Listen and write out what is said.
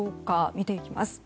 見ていきます。